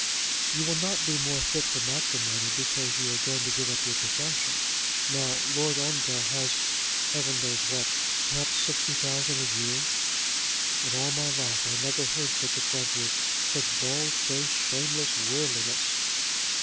"You will not be more fit for matrimony because you are going to give up your profession. Now Lord Ongar has heaven knows what; perhaps sixty thousand a year." "In all my life I never heard such effrontery, such barefaced, shameless worldliness!"